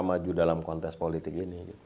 maju dalam kontes politik ini